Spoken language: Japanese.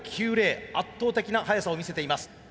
圧倒的な速さを見せています。